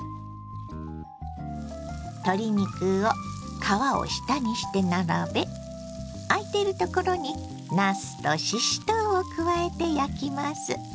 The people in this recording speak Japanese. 鶏肉を皮を下にして並べ空いているところになすとししとうを加えて焼きます。